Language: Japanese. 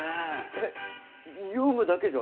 えっ読むだけじゃ！？